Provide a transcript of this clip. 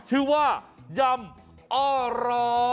ชื่อว่ายำอ้อรอ